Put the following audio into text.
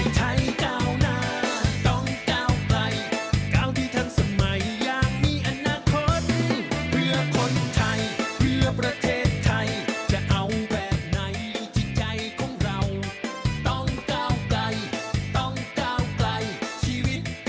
ชีวิตก้าวหน้าเพราะเราอยู่ไม่ไกล